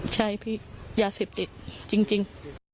ใช่พี่ยาเสพติดจริง